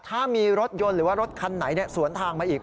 ถ้ามีรถยนต์หรือว่ารถคันไหนสวนทางมาอีก